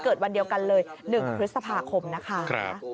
เกิดวันเดียวกันเลย๑ครัฐพาคมนะคะ